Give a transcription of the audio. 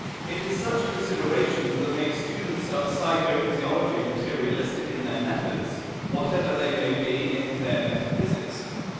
It is such considerations that make students of psychophysiology materialistic in their methods, whatever they may be in their metaphysics.